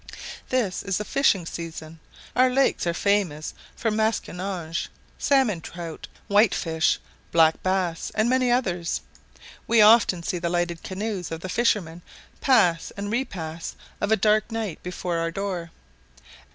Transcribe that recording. This is the fishing season. Our lakes are famous for masquinonge, salmon trout, white fish, black bass, and many others. We often see the lighted canoes of the fishermen pass and repass of a dark night before our door.